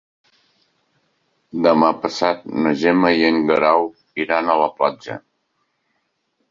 Demà passat na Gemma i en Guerau iran a la platja.